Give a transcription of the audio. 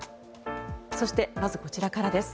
そして、まずこちらからです。